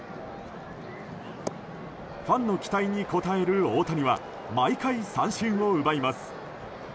ファンの期待に応える大谷は毎回、三振を奪います。